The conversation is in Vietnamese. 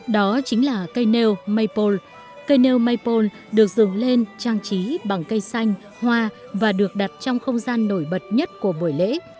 đó chính là cây nêu maple cây nêu maple được dựng lên trang trí bằng cây xanh hoa và được đặt trong không gian nổi bật nhất của buổi lễ